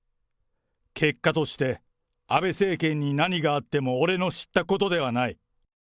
結果として、安倍政権に何があっても俺の知ったことではない。